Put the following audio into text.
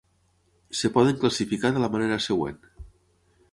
Es poden classificar de la manera següent.